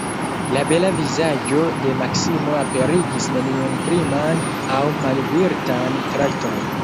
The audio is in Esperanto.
La bela vizaĝo de Maksimo aperigis neniun kriman aŭ malvirtan trajton.